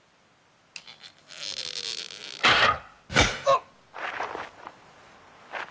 あっ！